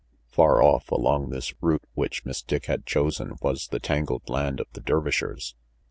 Far off, along this route which Miss Dick had chosen, was the tangled land of the Dervishers.